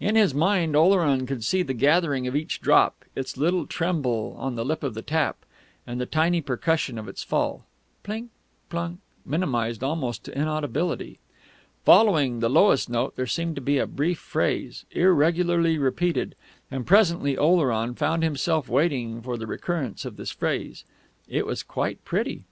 In his mind Oleron could see the gathering of each drop, its little tremble on the lip of the tap, and the tiny percussion of its fall, "Plink plunk," minimised almost to inaudibility. Following the lowest note there seemed to be a brief phrase, irregularly repeated; and presently Oleron found himself waiting for the recurrence of this phrase. It was quite pretty....